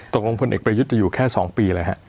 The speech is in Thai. ตกลงพลเอกประยุทธ์จะอยู่แค่๒ปีล่ะอ่ะ